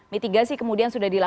mitigasi kemudian sudah dilihat